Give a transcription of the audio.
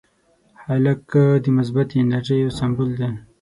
هلک د مثبتې انرژۍ یو سمبول دی.